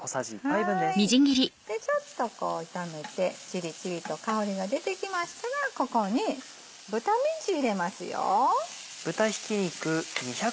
ちょっとこう炒めてチリチリと香りが出てきましたらここに豚ミンチ入れますよ。